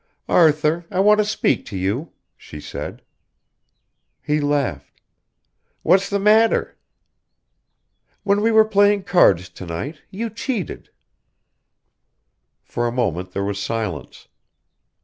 "Arthur, I want to speak to you," she said. He laughed. "What's the matter?" "When we were playing cards to night you cheated." For a moment there was silence.